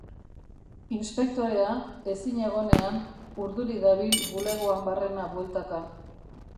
Inspektorea, ezin egonean, urduri dabil bulegoan barrena bueltaka.